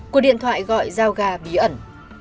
của điện thoại gọi giao ga bí ẩn